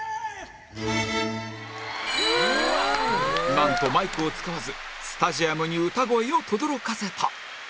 なんとマイクを使わずスタジアムに歌声をとどろかせた